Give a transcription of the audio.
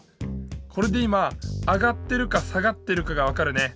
これで今あがってるかさがってるかがわかるね。